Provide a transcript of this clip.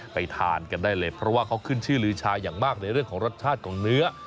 ทานกันได้เลยเพราะว่าเขาขึ้นชื่อลือชาอย่างมากในเรื่องของรสชาติของเนื้อ